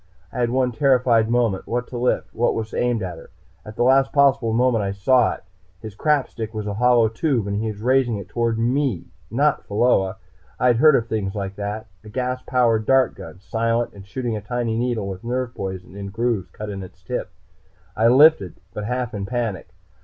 I had one terrified moment what to lift? What was aimed at her? At the last possible moment I saw it. His crap stick was a hollow tube, and he was raising it toward me, not toward Pheola. I'd heard of things like that a gas powered dart gun. Silent, and shooting a tiny needle with a nerve poison in grooves cut in its tip. I lifted, but half in panic.